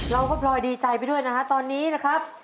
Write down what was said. เราก็พลอยดีใจไปด้วยนะฮะตอนนี้นะครับ